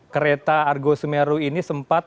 kereta argo semeru ini sempat